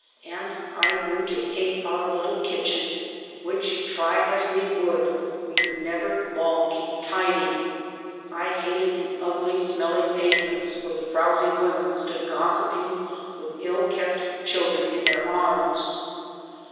And I grew to hate our little kitchen which try as we would, we could never long keep tidy. 1 hated the ugly, smelly pavements where the frowsy women stood gossiping with ill kept children in their arms.